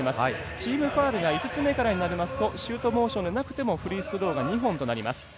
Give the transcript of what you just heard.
チームファウルが５つ目からになりますとシュートモーションでなくてもフリースローが２本となります。